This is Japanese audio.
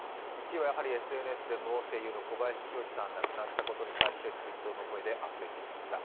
１位はやはりＳＮＳでも声優の小林清志さんが亡くなったことに関して追悼の声であふれていました。